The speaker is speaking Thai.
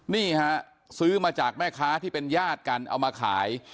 นี่ฮะซื้อมาจากแม่ค้าที่เป็นญาติกันเอามาขาย